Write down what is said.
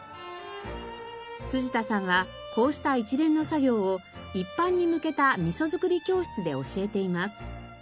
田さんはこうした一連の作業を一般に向けたみそづくり教室で教えています。